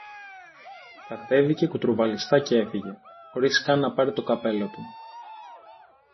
κατέβηκε κουτρουβαλιστά κι έφυγε, χωρίς καν να πάρει το καπέλο του.